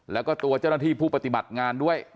แล้วก็ตัวเจ้าหน้าที่ผู้ปฏิบัติงานด้วย